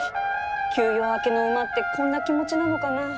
休養明けの馬ってこんな気持ちなのかな